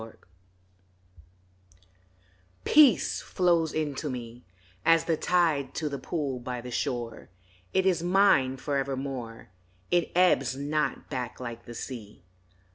PEACE PEACE flows into me AS the tide to the pool by the shore; It is mine forevermore, It ebbs not back like the sea.